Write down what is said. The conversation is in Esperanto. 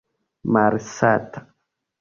malsata